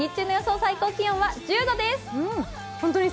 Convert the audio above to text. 最高気温は１０度です。